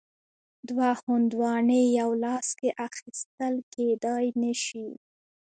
دوه هندواڼې یو لاس کې اخیستل کیدای نه شي.